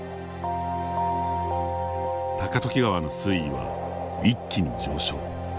高時川の水位は一気に上昇。